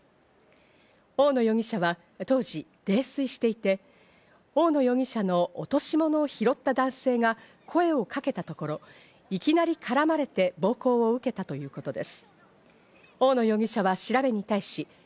大野容疑者は当時、泥酔していて大野容疑者の落し物を拾った男性が声をかけたところ、いきなり絡まれて暴行を受けたということです。